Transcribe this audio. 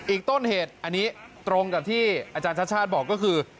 ต้นเหตุอันนี้ตรงกับที่อาจารย์ชาติชาติบอกก็คือ